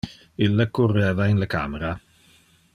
Ille curreva in le camera.